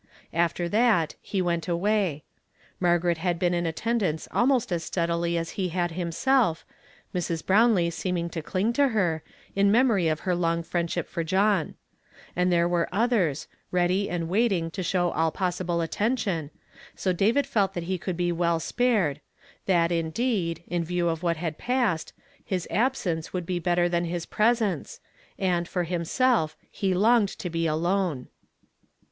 After that he went away. Ahirgaret had been in attendance almost as steadily as he had himself, Mrs. lirownlee seem ing to cling to her, in memory of her long friend ship for John ; and there were othei s, ready and waiting to show all possible attention, so David felt that he could be well spared, that indeed, in view of what had passed, his absence would be better than his presence, and for himself, he longed to be alone.